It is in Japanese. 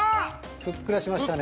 ふっくらしましたね。